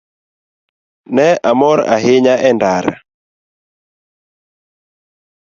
Ne amor ahinya e ndara.